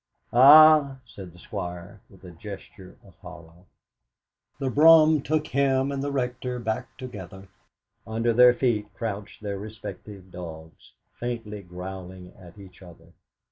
"Ah!" said the Squire, with a gesture of horror. The brougham took him and the Rector back together. Under their feet crouched their respective dogs, faintly growling at each other.